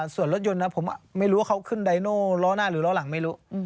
ส่วนรถยนต์ผมไม่รู้ว่าเขาขึ้นไดโน่ล้อหน้าหรือล้อหลังไม่รู้